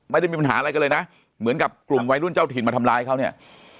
ไม่ได้มีปัญหาอะไรกันเลยนะเหมือนกับกลุ่มวัยรุ่นเจ้าถิ่นมาทำร้ายเขาเนี่ย